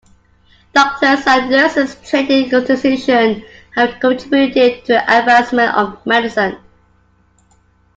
Doctors and nurses trained in the institution have contributed to the advancement of medicine.